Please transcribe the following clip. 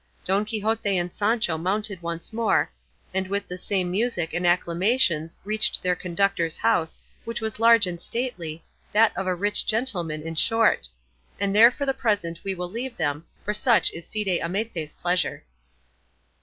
Don Quixote and Sancho mounted once more, and with the same music and acclamations reached their conductor's house, which was large and stately, that of a rich gentleman, in short; and there for the present we will leave them, for such is Cide Hamete's pleasure.